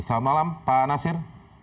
selamat malam pak nasir